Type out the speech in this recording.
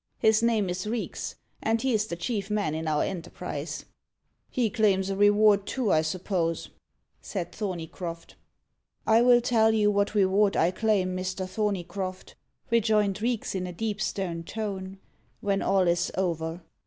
His name is Reeks, and he is the chief man in our enterprise." "He claims a reward too, I suppose?" said Thorneycroft. "I will tell you what reward I claim, Mr. Thorneycroft," rejoined Reeks, in a deep stern tone, "when all is over.